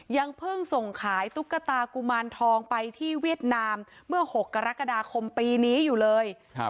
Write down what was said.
ยังเพิ่งส่งขายตุ๊กตากุมารทองไปที่เวียดนามเมื่อ๖กรกฎาคมปีนี้อยู่เลย